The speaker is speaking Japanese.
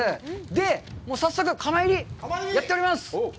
で、早速釜炒り、やっております！